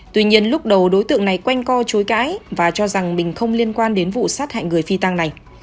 tuy nhiên lúc đầu đối tượng này quanh co chối cãi và cho rằng mình không liên quan đến vụ sát hại người phi tăng này